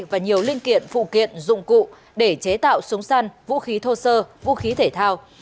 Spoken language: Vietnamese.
và nhiều linh kiện phụ kiện dụng cụ để chế tạo súng săn vũ khí thô sơ vũ khí thể thao